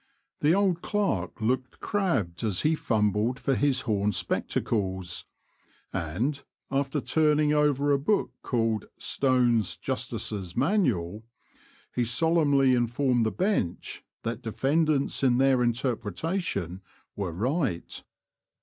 The old Clerk looked crabbed as he fumbled for his horn spectacles, and, after turning over a book called '^ Stone's Justices' Manual," he solemnly informed the bench that defendants in their interpretation were right.